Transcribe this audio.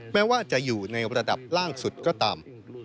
แม้ว่าจะอยู่ในระดับล่างสุดก็ตาม